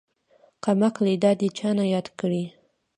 کمقلې دادې چانه ياد کړي.